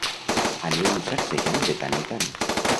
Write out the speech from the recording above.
Aneu-ho sacsejant de tant en tant